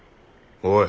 おい！